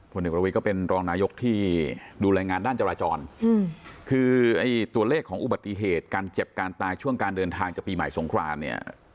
เอกประวิทย์ก็เป็นรองนายกที่ดูแลงานด้านจราจรคือไอ้ตัวเลขของอุบัติเหตุการเจ็บการตายช่วงการเดินทางจากปีใหม่สงครานเนี่ย